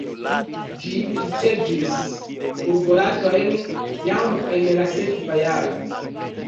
Ĝi ricevis urborajton jam en la sekva jaro.